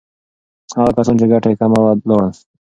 هغه کسان چې ګټه یې کمه وه، لاړل.